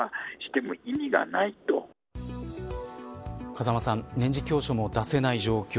風間さん年次教書も出さない状況